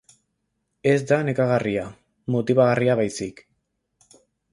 Ez da nekagarria, motibagarria baizik.